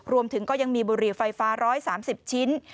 รวมถึงก็ยังมีบุหรี่ไฟฟ้า๑๓๐ชิ้น